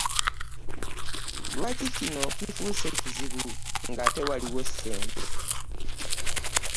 Lwaki kino kifuuse kizibu ng'ate waliwo ssente?